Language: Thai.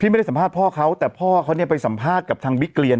ไม่ได้สัมภาษณ์พ่อเขาแต่พ่อเขาเนี่ยไปสัมภาษณ์กับทางบิ๊กเรียน